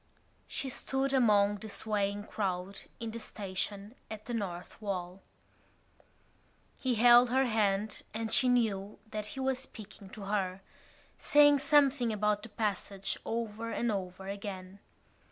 She stood among the swaying crowd in the station at the North Wall. He held her hand and she knew that he was speaking to her, saying something about the passage over and over again.